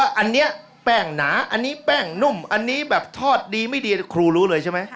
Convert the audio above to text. อันนี้แป้งหนาอันนี้แป้งนุ่มอันนี้แบบทอดดีไม่ดีครูรู้เลยใช่ไหม